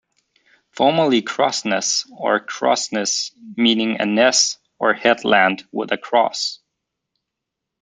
Formerly Crossenes or Crosnes meaning a "ness" or headland with a cross.